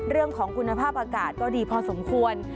เรื่องของคุณภาพอากาศก็ดีพอสมควร